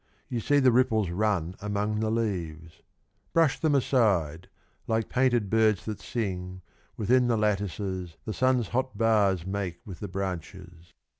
You see the ripples run among the leaves, Brush them aside, like painted birds That sing, within the lattices The sun's hot bars make with the branches.